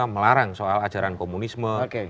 melarang soal ajaran komunisme